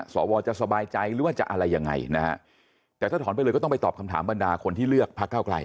สวจะสบายใจหรือว่าจะอะไรยังไงนะฮะแต่ถ้าถอนไปเลยก็ต้องไปตอบคำถามบรรดาคนที่เลือกพักเก้าไกล